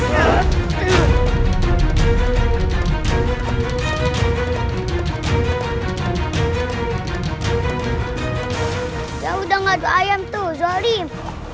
ya sudah tidak ada ayam zorin